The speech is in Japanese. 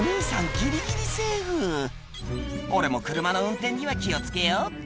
ギリギリセーフ「俺も車の運転には気を付けようっと」